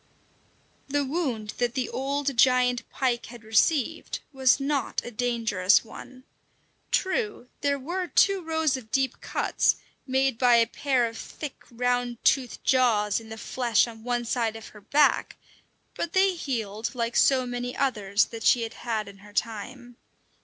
The wound that the old giant pike had received was not a dangerous one. True, there were two rows of deep cuts made by a pair of thick, round toothed jaws in the flesh on one side of her back; but they healed like so many others that she had had in her time.